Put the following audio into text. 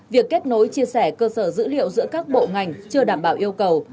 việc kết nối chia sẻ cơ sở dữ liệu giữa các bộ ngành chưa đảm bảo yêu cầu